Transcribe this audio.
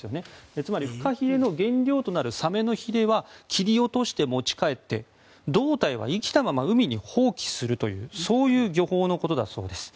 つまり、フカヒレの原料となるサメのひれは切り落として持ち帰って胴体は生きたまま海に放棄するという漁法のようです。